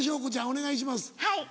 お願いします。